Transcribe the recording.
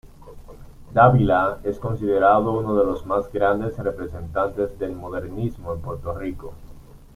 Dávila, es considerado uno de los más grandes representantes del modernismo en Puerto Rico.